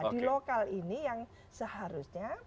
di lokal ini yang seharusnya